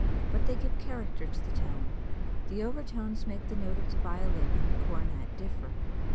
But they give character to the tone. The overtones make the note of the violin and the cornet differ.